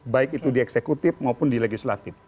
baik itu di eksekutif maupun di legislatif